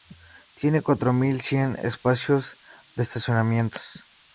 Tiene cuatro mil cien espacios de estacionamientos.